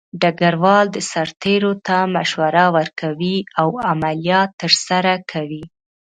ډګروال د سرتیرو ته مشوره ورکوي او عملیات ترسره کوي.